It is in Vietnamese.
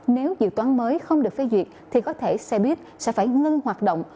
nếu dự toán mới không được phê duyệt thì có thể xe buýt sẽ phải ngưng hoạt động